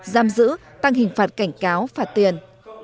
giam giữ tăng hình phạt cảnh cáo phạt tiền